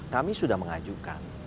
kami sudah mengajukan